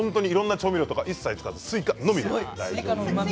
調味料を一切使わずスイカのみです。